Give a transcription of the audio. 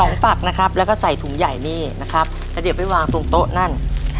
ฝักนะครับแล้วก็ใส่ถุงใหญ่นี่นะครับแล้วเดี๋ยวไปวางตรงโต๊ะนั่น